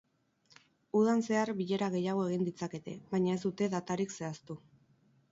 Udan zehar bilera gehiago egin ditzakete, baina ez dute datarik zehaztu.